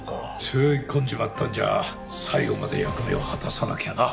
背負い込んじまったんじゃ最後まで役目を果たさなきゃな。